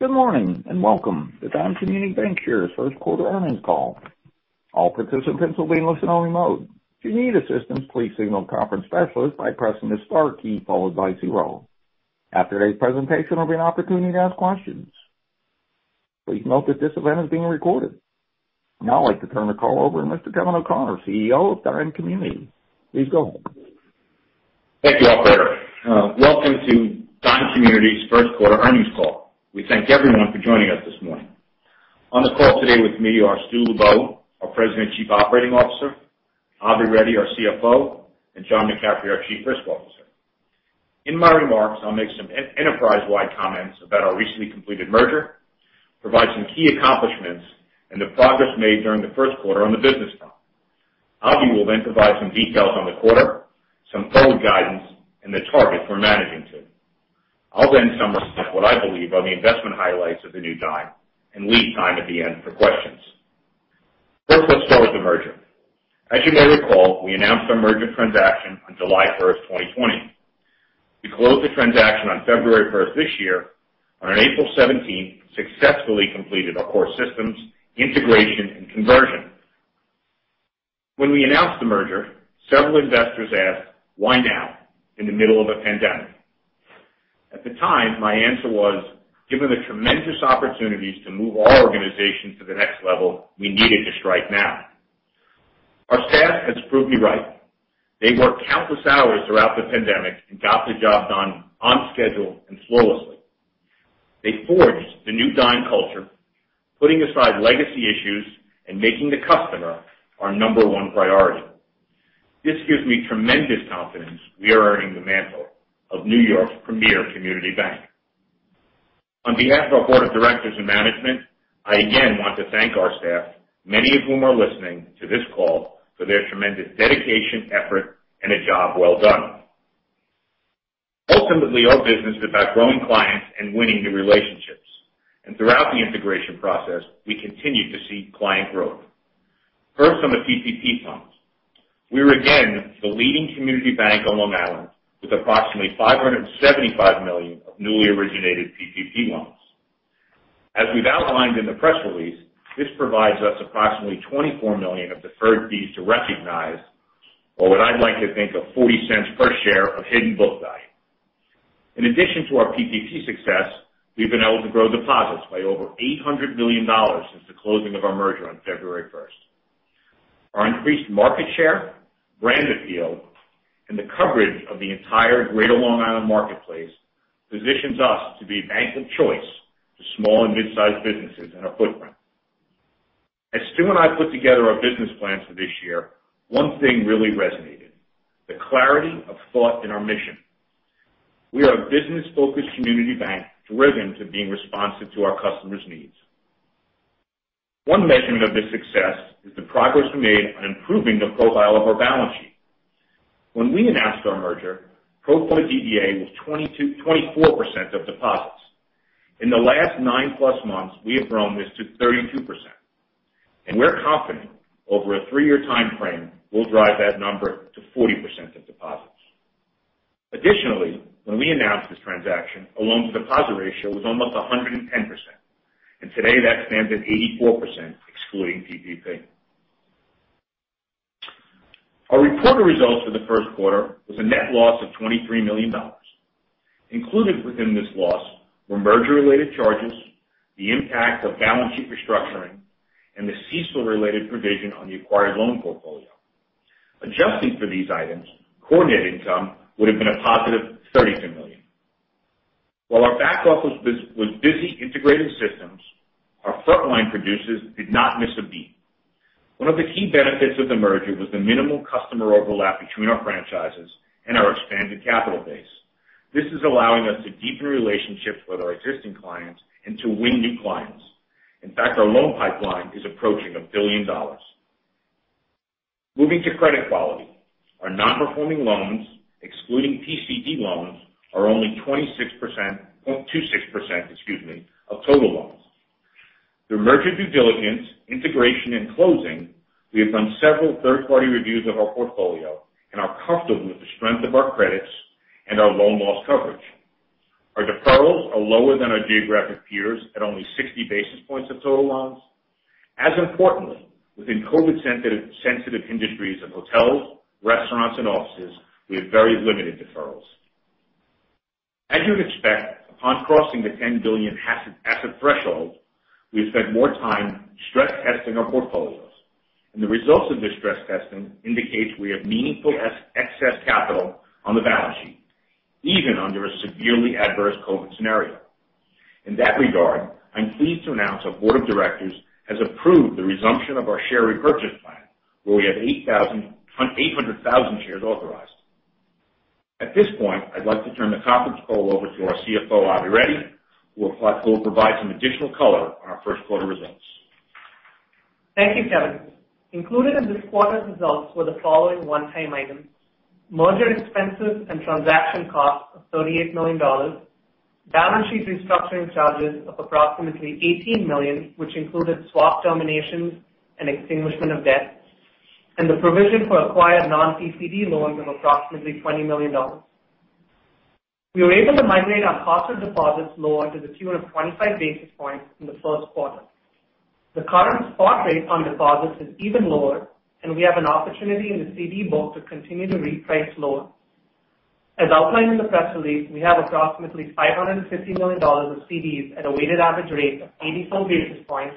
Good morning and welcome to Dime Community Bancshares first quarter earnings call. All participants will be in listen-only mode. If you need assistance, please signal the conference specialist by pressing the star key followed by zero. After today's presentation, there will be an opportunity to ask questions. Please note that this event is being recorded. Now I'd like to turn the call over to Mr. Kevin O'Connor, CEO of Dime Community. Please go ahead. Thank you, operator. Welcome to Dime Community's first quarter earnings call. We thank everyone for joining us this morning. On the call today with me are Stuart Lubow, our President and Chief Operating Officer, Avi Reddy, our CFO, and John M. McCaffery, our Chief Risk Officer. In my remarks, I'll make some enterprise-wide comments about our recently completed merger, provide some key accomplishments and the progress made during the first quarter on the business front. Avi will provide some details on the quarter, some forward guidance, and the targets we're managing to. I'll summarize what I believe are the investment highlights of the new Dime and leave time at the end for questions. First, let's start with the merger. As you may recall, we announced our merger transaction on July 1st, 2020. We closed the transaction on February 1st this year, and on April 17th successfully completed our core systems integration and conversion. When we announced the merger, several investors asked, "Why now, in the middle of a pandemic?" At the time, my answer was, given the tremendous opportunities to move our organization to the next level, we needed to strike now. Our staff has proved me right. They worked countless hours throughout the pandemic and got the job done on schedule and flawlessly. They forged the new Dime culture, putting aside legacy issues and making the customer our number one priority. This gives me tremendous confidence we are earning the mantle of New York's premier community bank. On behalf of our board of directors and management, I again want to thank our staff, many of whom are listening to this call, for their tremendous dedication, effort, and a job well done. Ultimately, our business is about growing clients and winning new relationships, and throughout the integration process, we continued to see client growth. First on the PPP loans. We were again the leading community bank on Long Island with approximately $575 million of newly originated PPP loans. As we've outlined in the press release, this provides us approximately $24 million of deferred fees to recognize or what I'd like to think of $0.40 per share of hidden book value. In addition to our PPP success, we've been able to grow deposits by over $800 million since the closing of our merger on February 1st. Our increased market share, brand appeal, and the coverage of the entire greater Long Island marketplace positions us to be a bank of choice to small and mid-sized businesses in our footprint. As Stuart and I put together our business plans for this year, one thing really resonated, the clarity of thought in our mission. We are a business-focused community bank driven to being responsive to our customers' needs. One measurement of this success is the progress we made on improving the profile of our balance sheet. When we announced our merger, pro forma DDA was 24% of deposits. In the last nine plus months, we have grown this to 32%, and we're confident over a three-year timeframe, we'll drive that number to 40% of deposits. Additionally, when we announced this transaction, our loans to deposit ratio was almost 110%, and today that stands at 84%, excluding PPP. Our reported results for the first quarter was a net loss of $23 million. Included within this loss were merger related charges, the impact of balance sheet restructuring, and the CECL related provision on the acquired loan portfolio. Adjusting for these items, core net income would've been a positive $32 million. While our back office was busy integrating systems, our frontline producers did not miss a beat. One of the key benefits of the merger was the minimal customer overlap between our franchises and our expanded capital base. This is allowing us to deepen relationships with our existing clients and to win new clients. In fact, our loan pipeline is approaching a billion dollars. Moving to credit quality. Our non-performing loans, excluding PCD loans, are only 26%, excuse me, of total loans. Through merger due diligence, integration, and closing, we have done several third-party reviews of our portfolio and are comfortable with the strength of our credits and our loan loss coverage. Our deferrals are lower than our geographic peers at only 60 basis points of total loans. As importantly, within COVID sensitive industries of hotels, restaurants, and offices, we have very limited deferrals. As you'd expect, upon crossing the $10 billion asset threshold, we have spent more time stress testing our portfolios, and the results of this stress testing indicates we have meaningful excess capital on the balance sheet, even under a severely adverse COVID scenario. In that regard, I'm pleased to announce our board of directors has approved the resumption of our share repurchase plan, where we have 800,000 shares authorized. At this point, I'd like to turn the conference call over to our CFO, Avi Reddy, who will provide some additional color on our first quarter results. Thank you, Kevin. Included in this quarter's results were the following one-time items: merger expenses and transaction costs of $38 million, balance sheet restructuring charges of approximately $18 million, which included swap terminations and extinguishment of debt. The provision for acquired non-PCD loans of approximately $20 million. We were able to migrate our cost of deposits lower to the tune of 25 basis points in the first quarter. The current spot rate on deposits is even lower, and we have an opportunity in the CD book to continue to reprice lower. As outlined in the press release, we have approximately $550 million of CDs at a weighted average rate of 84 basis points,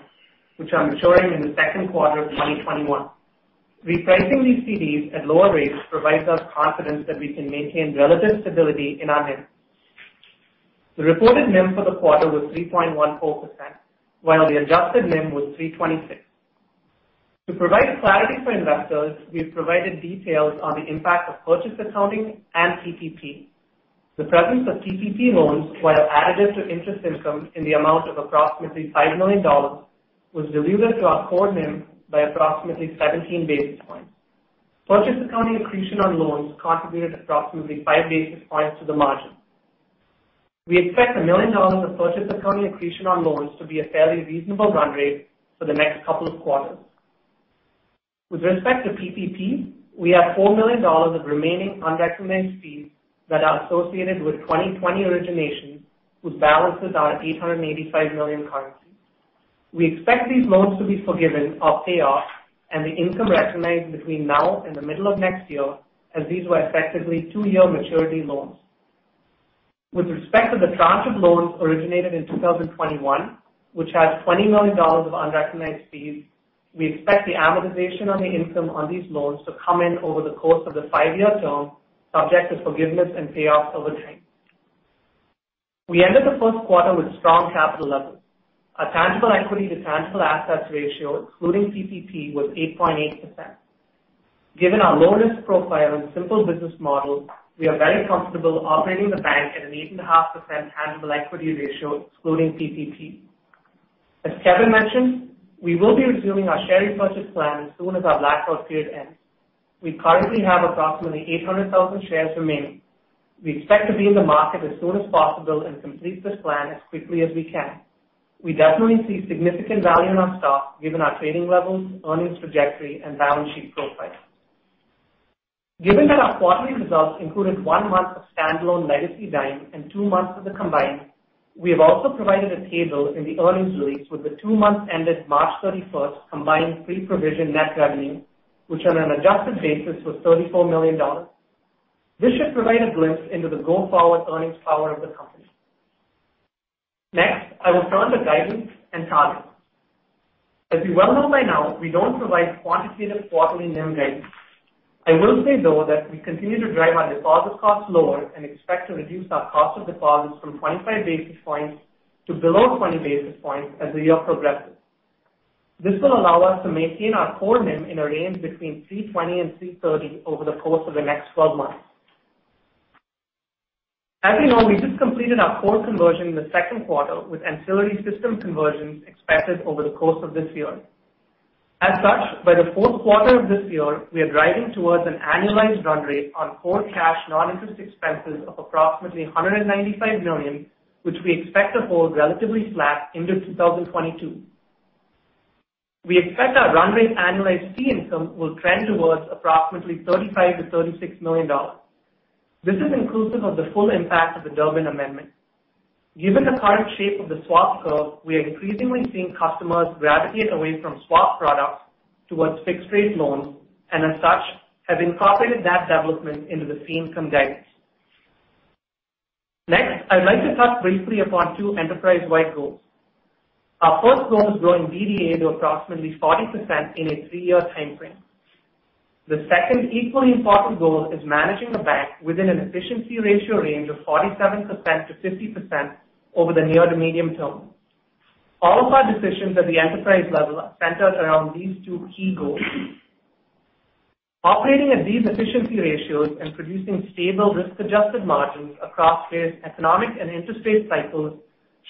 which are maturing in the second quarter of 2021. Repricing these CDs at lower rates provides us confidence that we can maintain relative stability in our NIM. The reported NIM for the quarter was 3.14%, while the adjusted NIM was 3.26%. To provide clarity for investors, we've provided details on the impact of purchase accounting and PPP. The presence of PPP loans, while additive to interest income in the amount of approximately $5 million, was dilutive to our core NIM by approximately 17 basis points. Purchase accounting accretion on loans contributed approximately five basis points to the margin. We expect $1 million of purchase accounting accretion on loans to be a fairly reasonable run rate for the next couple of quarters. With respect to PPP, we have $4 million of remaining unrecognized fees that are associated with 2020 originations, with balances on $885 million current. We expect these loans to be forgiven or paid off, and the income recognized between now and the middle of next year, as these were effectively two-year maturity loans. With respect to the tranche of loans originated in 2021, which has $20 million of unrecognized fees, we expect the amortization on the income on these loans to come in over the course of the five-year term, subject to forgiveness and payoff over time. We ended the first quarter with strong capital levels. Our tangible equity to tangible assets ratio, including PPP, was 8.8%. Given our low-risk profile and simple business model, we are very comfortable operating the bank at an 8.5% tangible equity ratio, excluding PPP. As Kevin mentioned, we will be resuming our share repurchase plan as soon as our blackout period ends. We currently have approximately 800,000 shares remaining. We expect to be in the market as soon as possible and complete this plan as quickly as we can. We definitely see significant value in our stock, given our trading levels, earnings trajectory, and balance sheet profile. Given that our quarterly results included one month of standalone Legacy Dime and two months of the combined, we have also provided a table in the earnings release with the two months ended March 31st, combined pre-provision net revenue, which on an adjusted basis was $34 million. This should provide a glimpse into the go-forward earnings power of the company. Next, I will turn to guidance and targets. As you well know by now, we don't provide quantitative quarterly NIM guidance. I will say, though, that we continue to drive our deposit costs lower and expect to reduce our cost of deposits from 25 basis points to below 20 basis points as the year progresses. This will allow us to maintain our core NIM in a range between 320 and 330 over the course of the next 12 months. As you know, we just completed our core conversion in the second quarter, with ancillary system conversions expected over the course of this year. As such, by the fourth quarter of this year, we are driving towards an annualized run rate on core cash non-interest expenses of approximately $195 million, which we expect to hold relatively flat into 2022. We expect our run rate annualized fee income will trend towards approximately $35 million-$36 million. This is inclusive of the full impact of the Durbin Amendment. Given the current shape of the swap curve, we are increasingly seeing customers gravitate away from swap products towards fixed-rate loans, and as such, have incorporated that development into the fee income guidance. Next, I'd like to touch briefly upon two enterprise-wide goals. Our first goal is growing DDA to approximately 40% in a three-year timeframe. The second equally important goal is managing the bank within an efficiency ratio range of 47%-50% over the near to medium term. All of our decisions at the enterprise level are centered around these two key goals. Operating at these efficiency ratios and producing stable risk-adjusted margins across various economic and interest rate cycles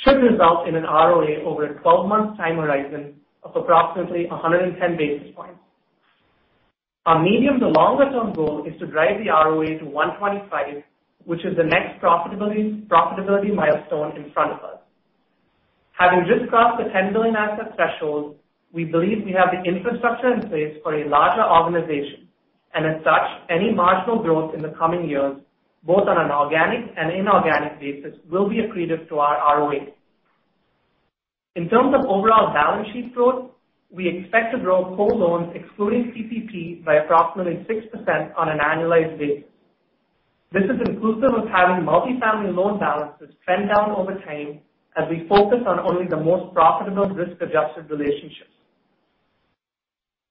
should result in an ROA over a 12-month time horizon of approximately 110 basis points. Our medium to longer term goal is to drive the ROA to 125, which is the next profitability milestone in front of us. Having just crossed the $10 billion asset threshold, we believe we have the infrastructure in place for a larger organization, and as such, any marginal growth in the coming years, both on an organic and inorganic basis, will be accretive to our ROA. In terms of overall balance sheet growth, we expect to grow whole loans, excluding PPP, by approximately 6% on an annualized basis. This is inclusive of having multi-family loan balances trend down over time as we focus on only the most profitable risk-adjusted relationships.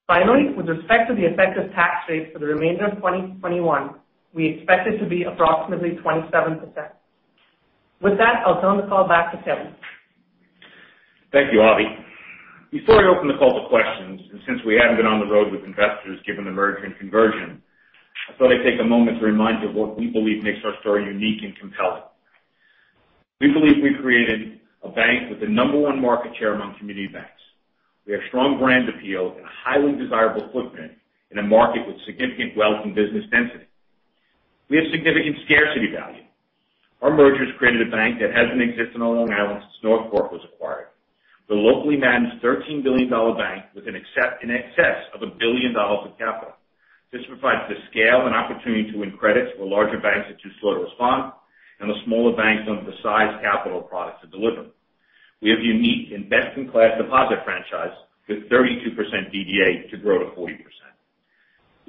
Finally, with respect to the effective tax rate for the remainder of 2021, we expect it to be approximately 27%. With that, I'll turn the call back to Kevin. Thank you, Avi. Since we haven't been on the road with investors given the merger and conversion, I thought I'd take a moment to remind you of what we believe makes our story unique and compelling. We believe we've created a bank with the number one market share among community banks. We have strong brand appeal and a highly desirable footprint in a market with significant wealth and business density. We have significant scarcity value. Our mergers created a bank that hasn't existed on Long Island since North Fork was acquired. The locally managed $13 billion bank with an excess of $1 billion of capital. This provides the scale and opportunity to win credits where larger banks are too slow to respond, and the smaller banks don't have the size capital products to deliver. We have unique investment-class deposit franchise with 32% DDA to grow to 40%.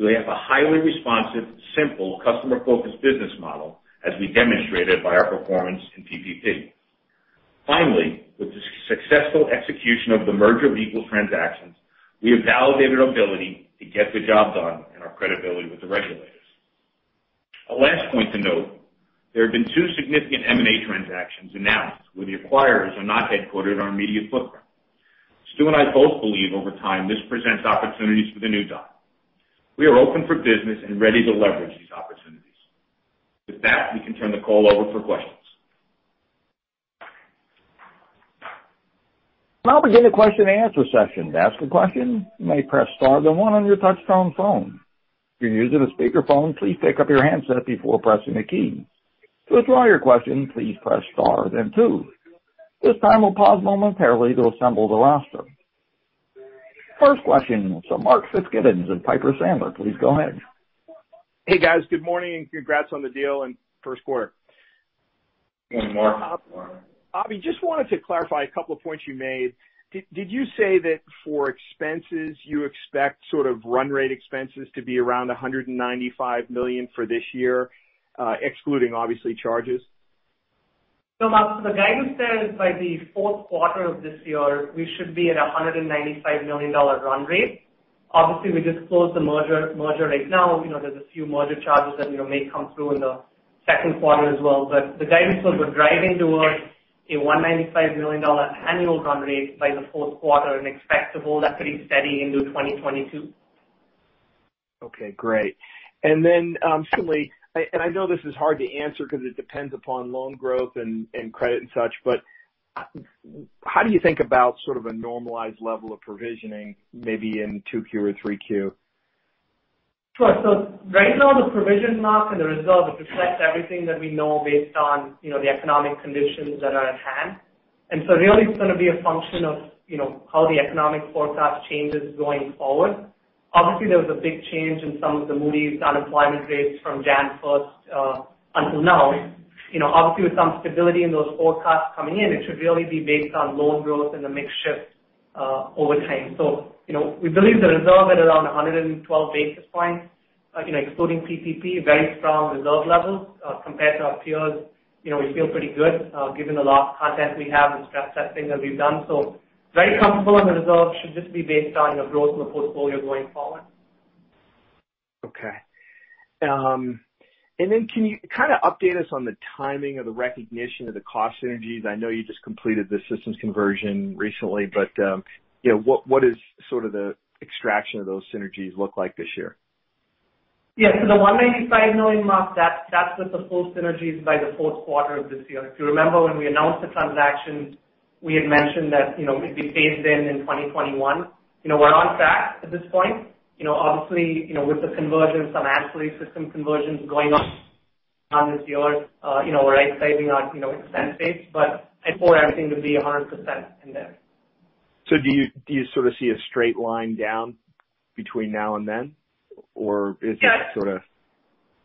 We have a highly responsive, simple customer-focused business model, as we demonstrated by our performance in PPP. With the successful execution of the merger of equals transaction, we have validated our ability to get the job done and our credibility with the regulators. A last point to note, there have been two significant M&A transactions announced where the acquirers are not headquartered on our immediate footprint. Stuart and I both believe over time, this presents opportunities for the new Dime. We are open for business and ready to leverage these opportunities. With that, we can turn the call over for questions. We'll now begin a question and answer session. To ask a question, you may press star then one on your touchtone phone. If you're using a speakerphone, please pick up your handset before pressing a key. To withdraw your question, please press star then two. This time will pause momentarily to assemble the roster. First question from Mark Fitzgibbon of Piper Sandler. Please go ahead. Hey, guys. Good morning, and congrats on the deal and first quarter. Good morning, Mark. Avi, just wanted to clarify a couple of points you made. Did you say that for expenses, you expect sort of run rate expenses to be around $195 million for this year, excluding obviously charges? Mark, the guidance there is by the fourth quarter of this year, we should be at $195 million run rate. Obviously, we just closed the merger right now. There's a few merger charges that may come through in the second quarter as well. The guidance was we're driving towards a $195 million annual run rate by the fourth quarter and expect to hold that pretty steady into 2022. Okay, great. Certainly, and I know this is hard to answer because it depends upon loan growth and credit and such, but how do you think about sort of a normalized level of provisioning maybe in 2Q or 3Q? Sure. Right now the provision, Mark, and the reserve, it reflects everything that we know based on the economic conditions that are at hand. Really it's going to be a function of how the economic forecast changes going forward. Obviously, there was a big change in some of the Moody's unemployment rates from January 1st until now. Obviously, with some stability in those forecasts coming in, it should really be based on loan growth and the mix shift over time. We believe the reserve at around 112 basis points, excluding PPP, very strong reserve levels compared to our peers. We feel pretty good given the loss content we have and stress testing that we've done. Very comfortable. The reserve should just be based on growth in the portfolio going forward. Okay. Can you kind of update us on the timing of the recognition of the cost synergies? I know you just completed the systems conversion recently, but what is sort of the extraction of those synergies look like this year? The $195 million, Mark, that's with the full synergies by the fourth quarter of this year. If you remember when we announced the transaction, we had mentioned that it'd be phased in in 2021. We're on track at this point. Obviously, with the conversion, some ancillary system conversions going on this year. We're right-sizing on expense base, but I foresee everything to be 100% in there. Do you sort of see a straight line down between now and then?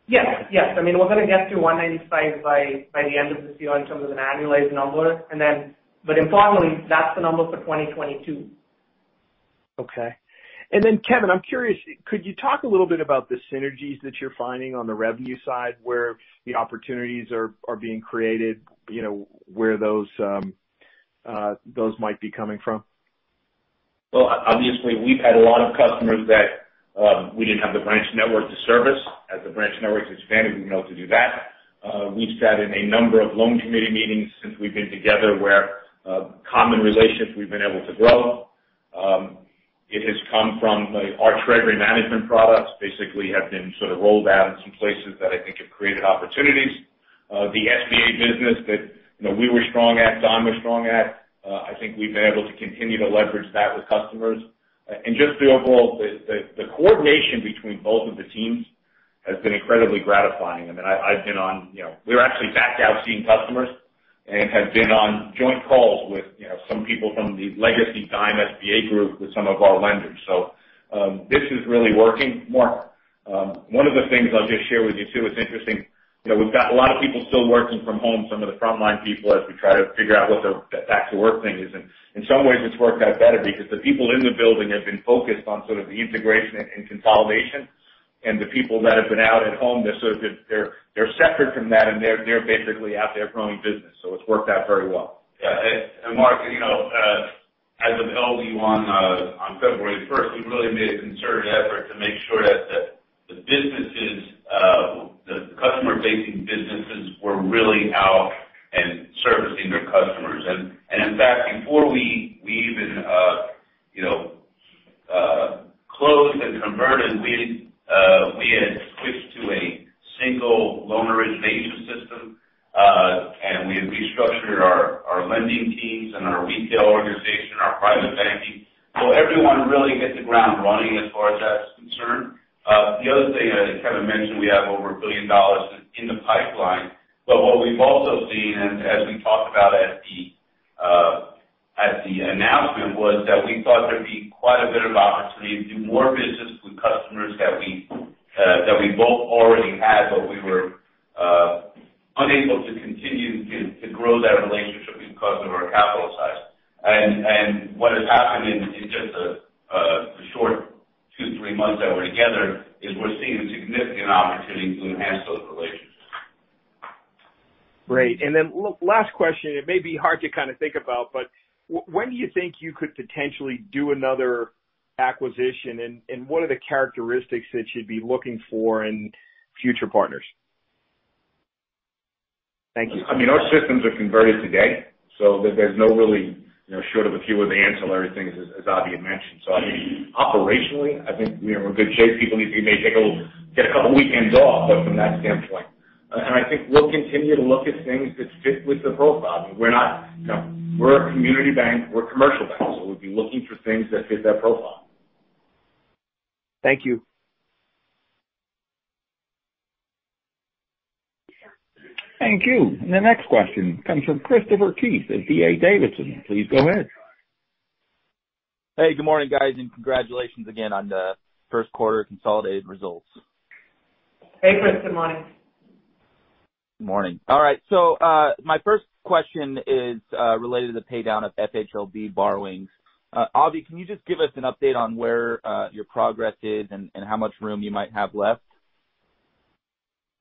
Yes. I mean, we're going to get to $195 by the end of this year in terms of an annualized number. Importantly, that's the number for 2022. Okay. Kevin, I'm curious, could you talk a little bit about the synergies that you're finding on the revenue side, where the opportunities are being created, where those might be coming from? Well, obviously, we've had a lot of customers that we didn't have the branch network to service. As the branch network's expanded, we've been able to do that. We've sat in a number of loan committee meetings since we've been together where common relationships we've been able to grow. It has come from our treasury management products basically have been sort of rolled out in some places that I think have created opportunities. The SBA business that we were strong at, Dime was strong at, I think we've been able to continue to leverage that with customers. Just the overall, the coordination between both of the teams has been incredibly gratifying. I mean, we're actually back out seeing customers and have been on joint calls with some people from the Legacy Dime SBA group with some of our lenders. This is really working. Mark, one of the things I'll just share with you too, it's interesting. We've got a lot of people still working from home, some of the frontline people, as we try to figure out what the back to work thing is. In some ways, it's worked out better because the people in the building have been focused on sort of the integration and consolidation. The people that have been out at home, they're sort of separate from that, and they're basically out there growing business. It's worked out very well. Yeah. Mark, as of held view on February 1st, we really made a concerted effort to make sure that the businesses, the customer-facing businesses were really out and servicing their customers. In fact, before we even closed and converted, we had switched to a single loan origination system. We've restructured our lending teams and our retail organization, our private banking. Everyone really hit the ground running as far as that's concerned. The other thing, as Kevin mentioned, we have over $1 billion in the pipeline. What we've also seen and as we talked about at the announcement, was that we thought there'd be quite a bit of opportunity to do more business with customers that we both already had, but we were unable to continue to grow that relationship because of our capital size. What has happened in just the short two, three months that we're together is we're seeing a significant opportunity to enhance those relationships. Great. Last question. It may be hard to think about, but when do you think you could potentially do another acquisition? What are the characteristics that you'd be looking for in future partners? Thank you. I mean, our systems are converted today, so there's no really, short of a few of the ancillary things, as Avi mentioned. I think operationally, I think we're in good shape. People may take a couple weekends off, but from that standpoint. I think we'll continue to look at things that fit with the profile. We're a community bank. We're a commercial bank. We'd be looking for things that fit that profile. Thank you. Thank you. The next question comes from Christopher Keith at D.A. Davidson. Please go ahead. Hey, good morning, guys, and congratulations again on the first quarter consolidated results. Hey, Chris. Good morning. Good morning. All right. My first question is related to the pay down of FHLB borrowings. Avi, can you just give us an update on where your progress is and how much room you might have left?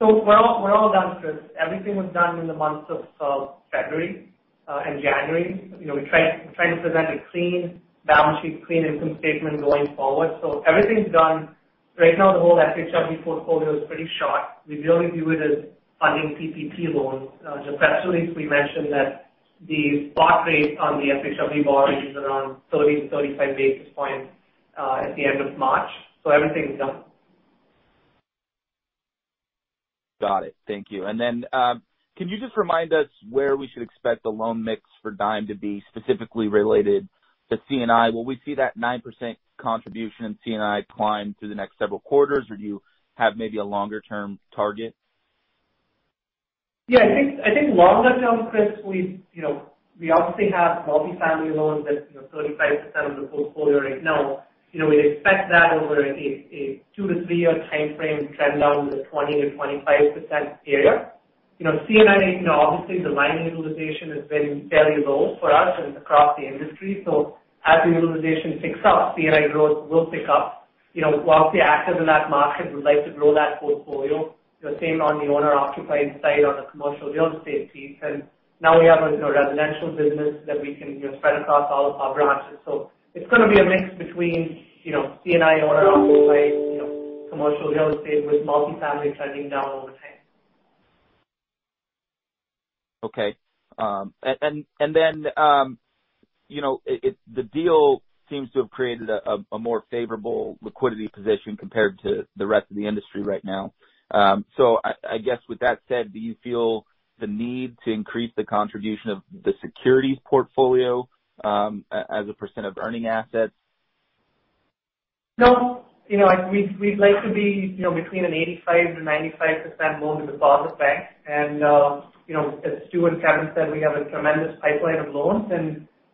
We're all done, Chris. Everything was done in the months of February and January. We're trying to present a clean balance sheet, clean income statement going forward. Everything's done. Right now the whole FHLB portfolio is pretty short. We really view it as funding PPP loans. Just last release we mentioned that the spot rate on the FHLB borrowings is around 30 to 35 basis points, at the end of March. Everything is done. Got it. Thank you. Can you just remind us where we should expect the loan mix for Dime to be specifically related to C&I? Will we see that 9% contribution in C&I climb through the next several quarters, or do you have maybe a longer-term target? I think longer term, Chris, we obviously have multi-family loans that's 35% of the portfolio right now. We expect that over a two to three-year timeframe trend down to the 20%-25% area. C&I, obviously the line utilization has been fairly low for us and across the industry. As the utilization picks up, C&I growth will pick up. We're obviously active in that market, would like to grow that portfolio. The same on the owner-occupied side on the commercial real estate piece. Now we have a residential business that we can spread across all of our branches. It's going to be a mix between C&I owner-occupied, commercial real estate with multi-family trending down over time. Okay. The deal seems to have created a more favorable liquidity position compared to the rest of the industry right now. Do you feel the need to increase the contribution of the securities portfolio, as a % of earning assets? No. We'd like to be between an 85%-95% loan to deposit bank. As Stuart and Kevin said, we have a tremendous pipeline of loans.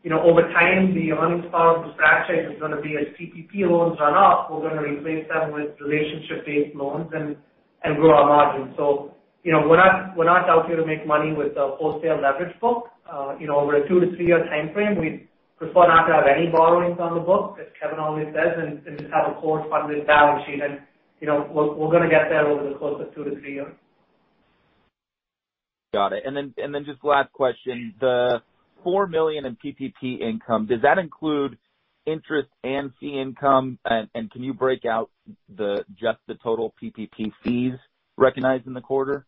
Over time, the earnings power of this franchise is going to be as PPP loans run off, we're going to replace them with relationship-based loans and grow our margins. We're not out here to make money with a wholesale leverage book. Over a 2-3-year timeframe, we'd prefer not to have any borrowings on the book, as Kevin always says, and just have a core funded balance sheet. We're going to get there over the course of 2-3 years. Got it. Just last question, the $4 million in PPP income, does that include interest and fee income? Can you break out just the total PPP fees recognized in the quarter?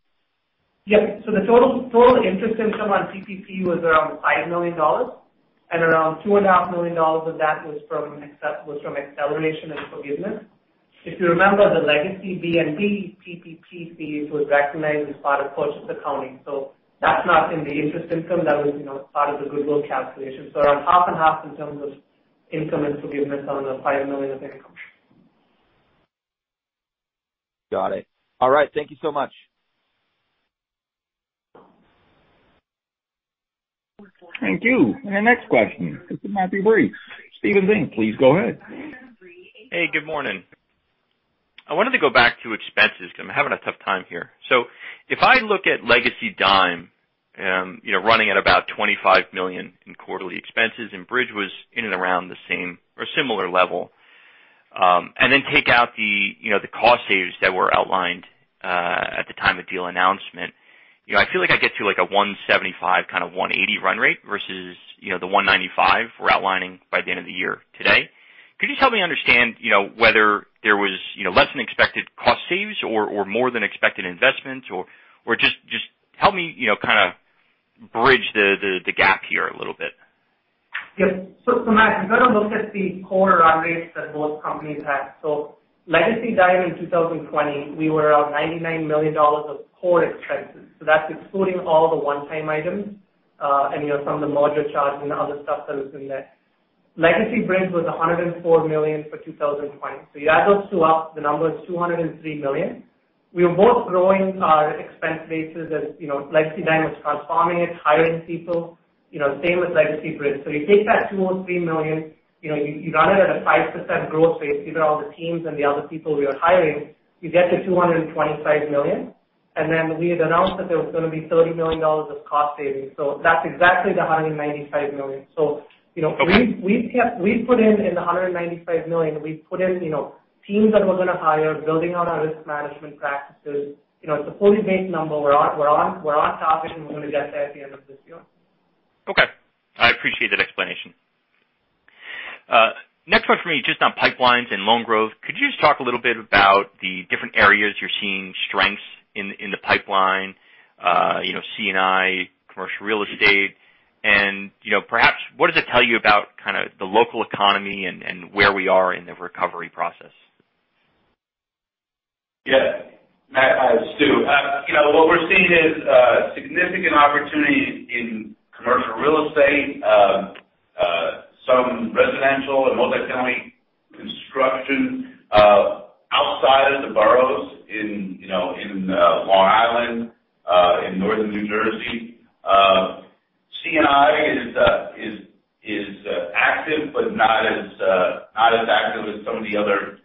Yes. The total interest income on PPP was around $5 million, and around $2.5 million of that was from acceleration and forgiveness. If you remember, the legacy Bridge PPP fees was recognized as part of purchase accounting. That's not in the interest income. That was part of the goodwill calculation. Around half and half in terms of income and forgiveness on the $5 million of income. Got it. All right. Thank you so much. Thank you. The next question comes from Matthew Breese, Stephens Inc. Please go ahead. Hey, good morning. I wanted to go back to expenses because I'm having a tough time here. If I look at Legacy Dime, running at about $25 million in quarterly expenses, and Bridge was in and around the same or similar level. Take out the cost saves that were outlined at the time of deal announcement. I feel like I get to like a $175 kind of $180 run rate versus the $195 we're outlining by the end of the year today. Could you help me understand whether there was less than expected cost saves or more than expected investments? Just help me bridge the gap here a little bit. Yes. Matt, if you're going to look at the core run rates that both companies have. Legacy Dime in 2020, we were up $99 million of core expenses. That's excluding all the one-time items, and some of the merger charge and other stuff that was in there. Legacy Bridge was $104 million for 2020. You add those two up, the number is $203 million. We were both growing our expense bases and Legacy Dime was transforming it, hiring people. Same with Legacy Bridge. You take that $203 million, you run it at a 5% growth rate, given all the teams and the other people we are hiring, you get to $225 million. Then we had announced that there was going to be $30 million of cost savings. That's exactly the $195 million. Okay. We put in the $195 million. We put in teams that we're going to hire, building on our risk management practices. It's a fully baked number. We're on target, and we're going to get there at the end of this year. Okay. I appreciate that explanation. Next one for me, just on pipelines and loan growth, could you just talk a little bit about the different areas you're seeing strengths in the pipeline, C&I, commercial real estate, and perhaps what does it tell you about the local economy and where we are in the recovery process? Yeah. Matt, hi, it's Stuart. What we're seeing is significant opportunity in commercial real estate. Some residential and multi-family construction outside of the boroughs in Long Island, in northern New Jersey. C&I is active, but not as active as some of the other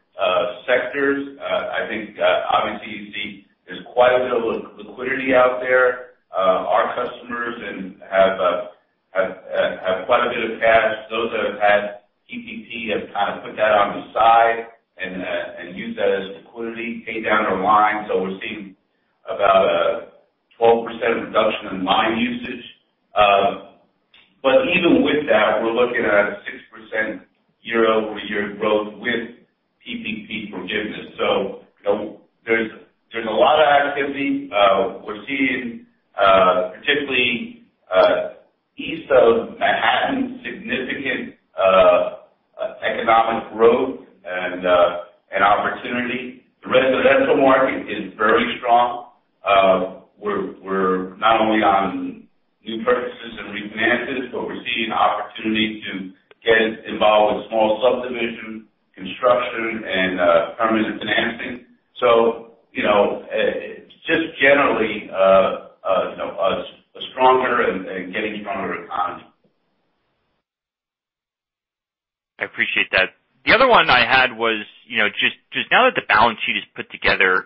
sectors. I think obviously you see there's quite a bit of liquidity out there. Our customers have quite a bit of cash. Those that have had PPP have put that on the side and used that as liquidity to pay down their lines. So we're seeing about a 12% reduction in line usage. But even with that, we're looking at a 6% year-over-year growth with PPP forgiveness. So there's a lot of activity. We're seeing, particularly east of Manhattan, significant economic growth and opportunity. The residential market is very strong. We're not only on new purchases and refinances, but we're seeing opportunity to get involved with small subdivision construction and permanent financing. Just generally a stronger and getting stronger economy. I appreciate that. The other one I had was just now that the balance sheet is put together,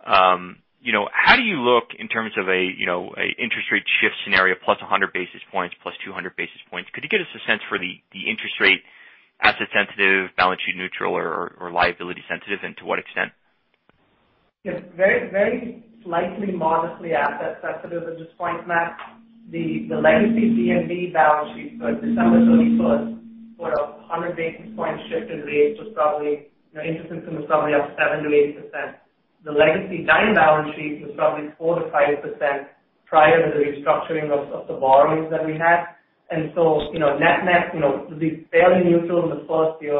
how do you look in terms of an interest rate shift scenario plus 100 basis points, plus 200 basis points? Could you give us a sense for the interest rate asset sensitive, balance sheet neutral, or liability sensitive, and to what extent? Yes. Very slightly modestly asset sensitive at this point, Matt. The Legacy Bridge balance sheet for December 31st for 100 basis points shift in rates was probably, interest income was probably up 7%-8%. The Legacy Dime balance sheet was probably 4%-5% prior to the restructuring of the borrowings that we had. Net-net, it will be fairly neutral in the first year.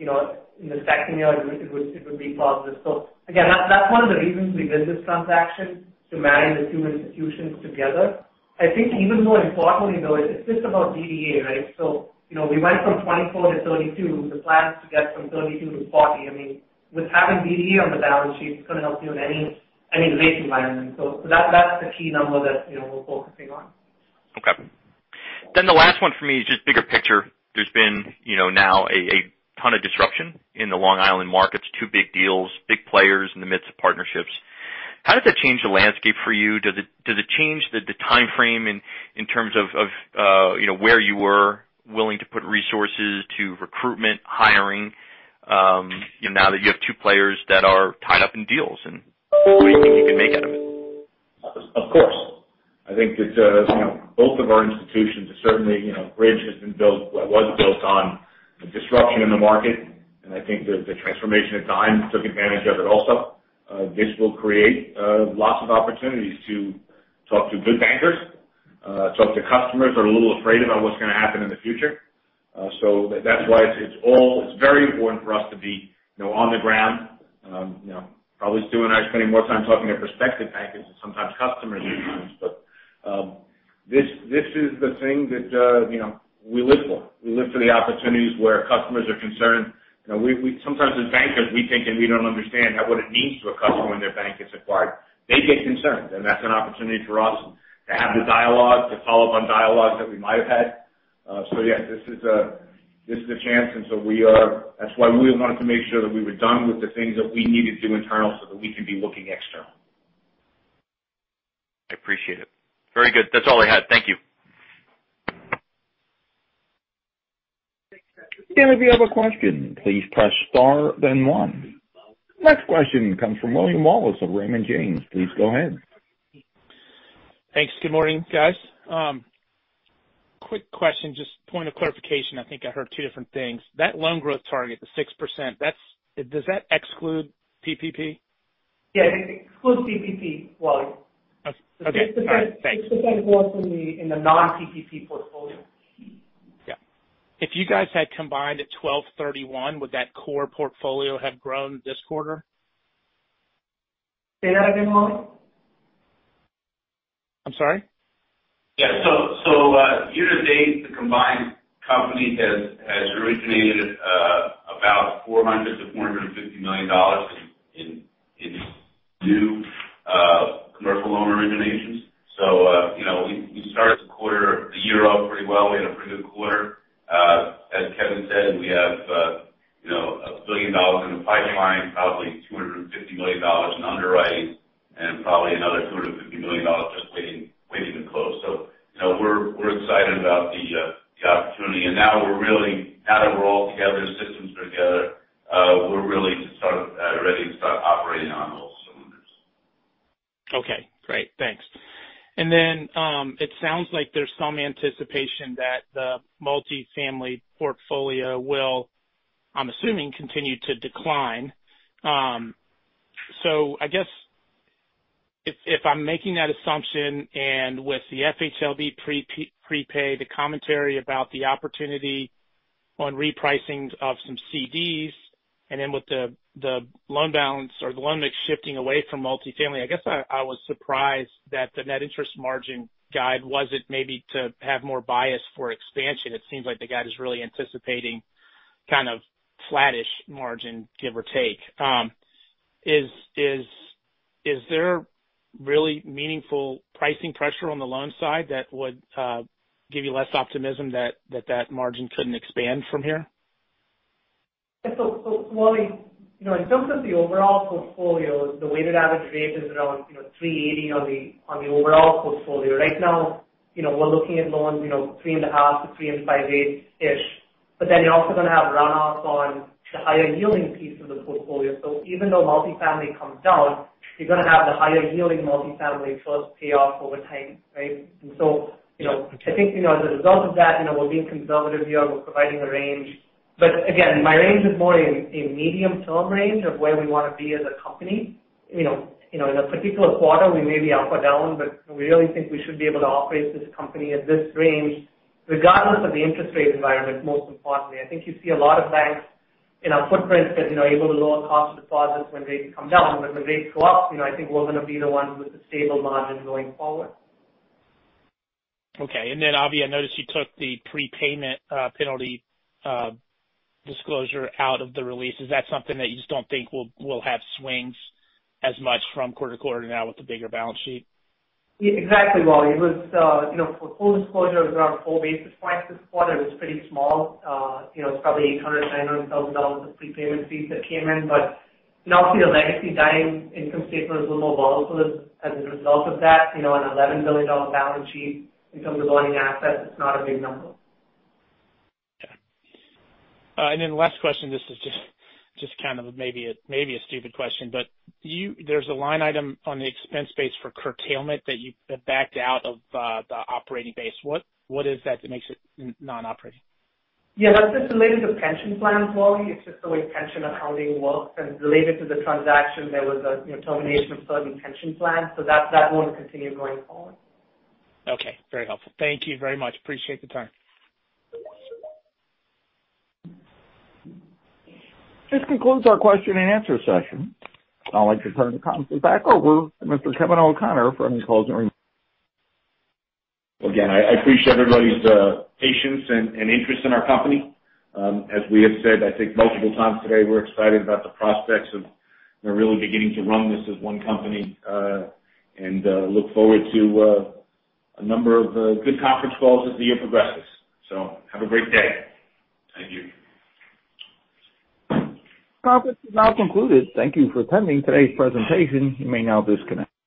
In the second year it would be positive. Again, that's one of the reasons we did this transaction to marry the two institutions together. I think even more importantly, though, it's just about DDA, right? We went from 24 to 32. The plan is to get from 32 to 40. I mean, with having DDA on the balance sheet, it's going to help you in any rate environment. That's the key number that we're focusing on. Okay. The last one for me is just bigger picture. There has been now a ton of disruption in the Long Island markets. Two big deals, big players in the midst of partnerships. How does that change the landscape for you? Does it change the timeframe in terms of where you were willing to put resources to recruitment, hiring now that you have two players that are tied up in deals, and what do you think you can make out of it? Of course. I think that both of our institutions are certainly. Bridge was built on disruption in the market, and I think that the transformation of Dime took advantage of it also. This will create lots of opportunities to talk to good bankers, talk to customers who are a little afraid about what's going to happen in the future. That's why it's very important for us to be on the ground. Probably Stuart and I are spending more time talking to prospective bankers than sometimes customers even. This is the thing that we live for. We live for the opportunities where customers are concerned. Sometimes as bankers, we think, and we don't understand what it means to a customer when their bank gets acquired. They get concerned, and that's an opportunity for us to have the dialogue, to follow up on dialogues that we might have had. Yes, this is a chance, and so that's why we wanted to make sure that we were done with the things that we needed to do internal so that we could be looking external. I appreciate it. Very good. That's all I had. Thank you. If you have a question, please press star then one. Next question comes from William Wallace of Raymond James. Please go ahead. Thanks. Good morning, guys. Quick question, just point of clarification. I think I heard two different things. That loan growth target, the 6%, does that exclude PPP? Yeah. It excludes PPP, Wallace. Okay. All right. Thanks. 6% growth in the non-PPP portfolio. Yeah. If you guys had combined at 12/31, would that core portfolio have grown this quarter? Say that again, Wallace? I'm sorry? Year to date, the combined company has originated about $400 million-$450 million in new commercial loan originations. We started the year off pretty well. We had a pretty good quarter. As Kevin said, we have a $1 billion in the pipeline, probably $250 million in underwriting, and probably another $250 million just waiting to close. We're excited about the opportunity. Now that we're all together, systems are together, we're really ready to start operating on all cylinders. Okay, great. Thanks. It sounds like there's some anticipation that the multifamily portfolio will, I'm assuming, continue to decline. If I'm making that assumption, with the FHLB prepay, the commentary about the opportunity on repricing of some CDs, with the loan mix shifting away from multifamily, I was surprised that the net interest margin guide wasn't maybe to have more bias for expansion. It seems like the guide is really anticipating kind of flattish margin, give or take. Is there really meaningful pricing pressure on the loan side that would give you less optimism that that margin couldn't expand from here? Yeah. Wallace, in terms of the overall portfolio, the weighted average rate is around 380 on the overall portfolio. Right now, we're looking at loans three and a half to three and five-eighths-ish. You're also going to have runoff on the higher yielding piece of the portfolio. Even though multifamily comes down, you're going to have the higher yielding multifamily first pay off over time. Right? I think as a result of that, we're being conservative here and we're providing a range. Again, my range is more a medium term range of where we want to be as a company. In a particular quarter, we may be up or down, we really think we should be able to operate this company at this range, regardless of the interest rate environment, most importantly. I think you see a lot of banks in our footprint that are able to lower cost of deposits when rates come down. When rates go up, I think we're going to be the one with the stable margins going forward. Okay. Avi, I noticed you took the prepayment penalty disclosure out of the release. Is that something that you just don't think will have swings as much from quarter to quarter now with the bigger balance sheet? Yeah, exactly, Wallace. Full disclosure, it was around four basis points this quarter. It was pretty small. It's probably $800,000, $900,000 of prepayment fees that came in. You now see the Legacy Dime income statement is a little more volatile as a result of that. On $11 billion balance sheet in terms of earning assets, it's not a big number. Okay. Last question, this is just kind of maybe a stupid question, but there's a line item on the expense base for curtailment that you backed out of the operating base. What is that that makes it non-operating? Yeah. That's just related to pension plans, Wallace. It's just the way pension accounting works. Related to the transaction, there was a termination of certain pension plans. That won't continue going forward. Okay. Very helpful. Thank you very much. Appreciate the time. This concludes our question and answer session. I'd like to turn the conference back over to Mr. Kevin O'Connor for any closing remarks. Again, I appreciate everybody's patience and interest in our company. As we have said, I think multiple times today, we're excited about the prospects of really beginning to run this as one company. Look forward to a number of good conference calls as the year progresses. Have a great day. Thank you. Conference is now concluded. Thank you for attending today's presentation. You may now disconnect.